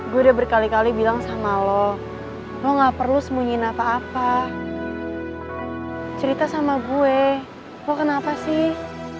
gue udah berkali kali bilang sama lo gak perlu sembunyiin apa apa cerita sama gue kenapa sih